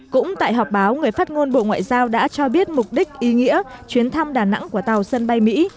cũng tại họp báo người phát ngôn bộ ngoại giao đã cho biết mục đích ý nghĩa chuyến thăm đà nẵng của tàu sân bay mỹ